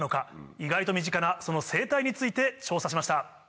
意外と身近なその生態について調査しました。